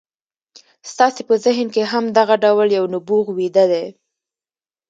ستاسې په ذهن کې هم دغه ډول يو نبوغ ويده دی.